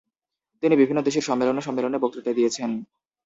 তিনি বিভিন্ন দেশের সম্মেলন ও সম্মেলনে বক্তৃতা দিয়েছেন।